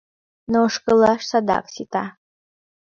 Но ошкылаш садак сита.